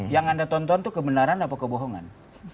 yang anda tonton itu kebenaran apa kebohongan